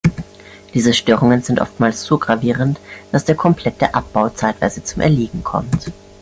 Diese Störungen sind oftmals so gravierend, dass der komplette Abbau zeitweise zum Erliegen kommt.